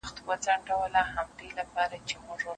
جهاني چي سرپر سر غزل دي ګوري